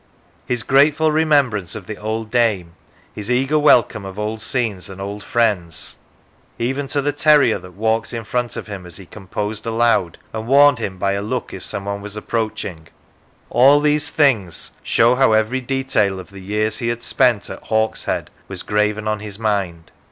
His grateful remembrance of the old dame, his eager welcome of old scenes and old friends, even to the terrier that walked in front of him as he composed aloud, and warned him by a look if someone was approaching all these thin gs 171 Lancashire show how every detail of the years he had spent at Hawkshead was graven on his mind.